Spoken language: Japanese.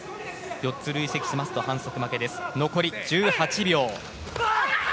４つ累積しますと反則負けです、残り１８秒。